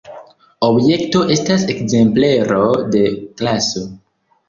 Objekto estas ekzemplero de klaso.